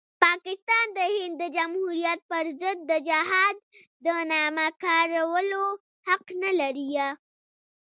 پاکستان د هند د جمهوریت پرضد د جهاد د نامه کارولو حق نلري.